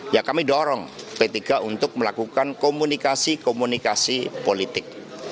ya kami dorong p tiga untuk melakukan komunikasi komunikasi politik